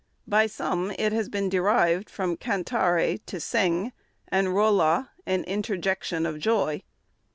By some it has been derived from cantare, to sing, and rola, an interjection of joy.